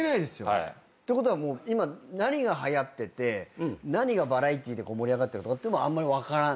てことはもう今何がはやってて何がバラエティーで盛り上がってるとかっていうのも分からない？